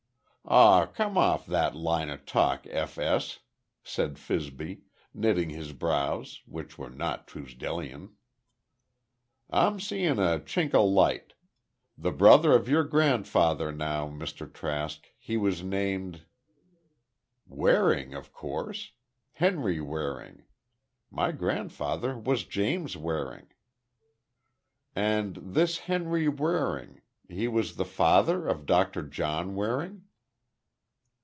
"Aw, come off that line o' talk, F. S.," said Fibsy, knitting his brows, which were not Truesdellian. "I'm seein' a chink o' light. The brother of your grandfather, now, Mr. Trask, he was named—?" "Waring, of course. Henry Waring. My grandfather was James Waring." "And this Henry Waring—he was the father of Doctor John Waring?"